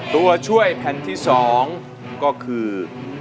ตัวช่วยแผ่นที่๒ก็คือ